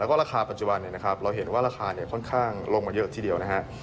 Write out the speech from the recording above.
แล้วก็ราคาปัจจุบันเราเห็นว่าราคาค่อนข้างลงมาเยอะทีเดียวนะครับ